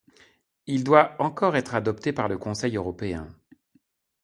Il doit encore être adopté par le Conseil européen.